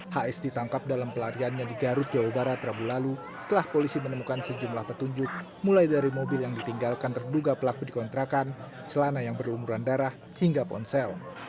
hs ditangkap dalam pelariannya di garut jawa barat rabu lalu setelah polisi menemukan sejumlah petunjuk mulai dari mobil yang ditinggalkan terduga pelaku dikontrakan celana yang berlumuran darah hingga ponsel